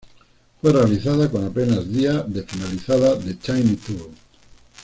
Fue realizada con apenas días de finalizada The Tiny Tour.